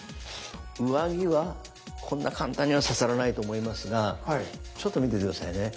上着はこんな簡単には刺さらないと思いますがちょっと見てて下さいね。